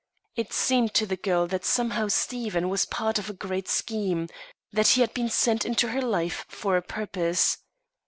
It seemed to the girl that somehow Stephen was part of a great scheme, that he had been sent into her life for a purpose.